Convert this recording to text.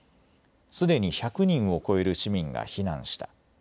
すでに１００人を超える市民が避難した。